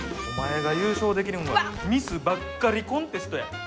お前が優勝できるんはミスばっかりコンテストや。